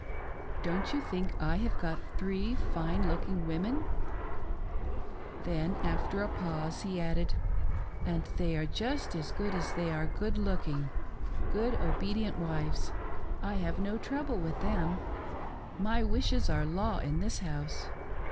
Don't you think I have got three fine looking women .'" Then, after a pause, he added :" And they are just as good as they are good looking — good, obedient wives. I have no trouble with them: my wishes are law in this house.